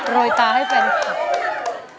โลยตาให้แฟนคับ